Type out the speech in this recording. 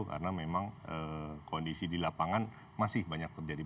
karena memang kondisi di lapangan masih banyak terjadi